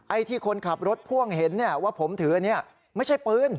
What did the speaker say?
ที่คนขับรถพ่วงเห็นว่าผมถือเนี่ยไม่ใช่ปืน